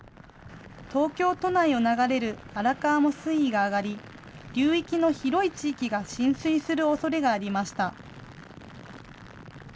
東京都内を流れる荒川も水位が上がり、流域の広い地域が浸水するおそれがありました。